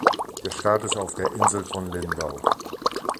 Der Start ist auf der Insel von Lindau.